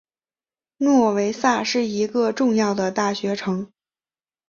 诺维萨是一个重要的大学城。